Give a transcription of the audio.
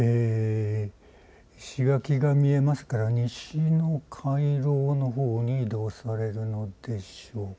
石垣が見えますから西の回廊のほうに移動されるのでしょうか。